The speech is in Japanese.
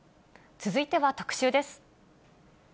続いては特集です。